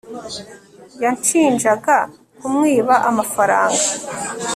yanshinjaga kumwiba amafaranga